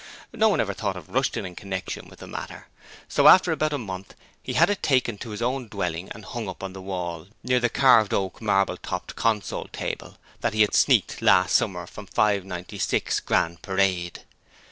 No one ever thought of Rushton in connection with the matter, so after about a month he had it taken to his own dwelling and hung up in the hall near the carved oak marble topped console table that he had sneaked last summer from 596 Grand Parade.